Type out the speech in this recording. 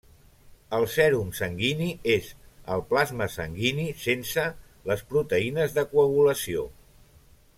El sèrum sanguini és el plasma sanguini sense les proteïnes de coagulació.